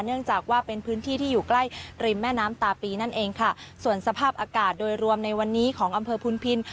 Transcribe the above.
เนื่องจากว่าเป็นพื้นที่ที่อยู่ใกล้ริมแม่น้ำตาปีนั่นเองค่ะส่วนสภาพอากาศโดยรวมในวันนี้ของอำเภอพุนพิน